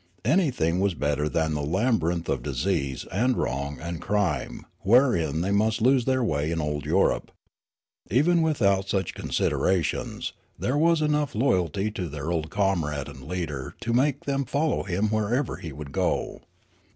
Anything was better than the labyrinth of disease and wrong and crime wherein they must lose their way in old Europe. Even without such considerations, there was enough loyalty to their old comrade and leader to make them follow him wherever he would go.